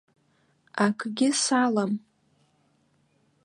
Акгьы салам.